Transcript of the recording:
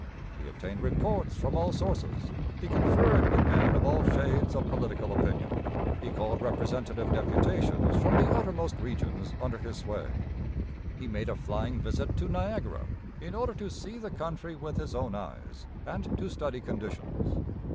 He obtained reports from all sources; he conferred with men of all shades of political opinion; he called representative deputations from the uttermost regions under his sway; he made a flying visit to Niagara in order to see the country with his own eyes and to study conditions.